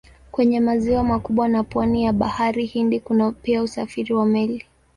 Kwenye maziwa makubwa na pwani ya Bahari Hindi kuna pia usafiri wa meli.